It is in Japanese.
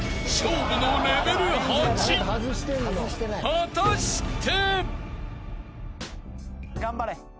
［果たして？］